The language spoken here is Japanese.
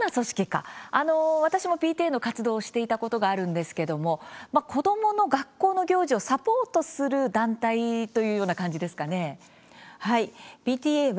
私もＰＴＡの活動をしていたことがあるんですけども子どもの学校の行事をサポートする団体というような感じですかね。